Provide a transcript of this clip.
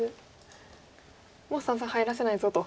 もう三々入らせないぞと。